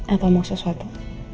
atau mau sesuatu